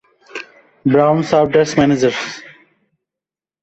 Brown served as managers.